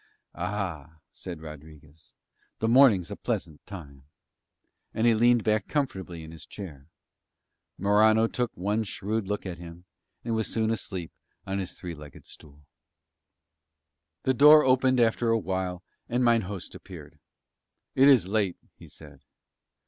"Ah," said Rodriguez, "the morning's a pleasant time," and he leaned back comfortably in his chair. Morano took one shrewd look at him, and was soon asleep upon his three legged stool. The door opened after a while and mine host appeared. "It is late," he said.